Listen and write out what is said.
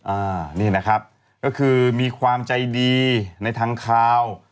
อ่านี่นะครับก็คือมีความใจดีในทางคาว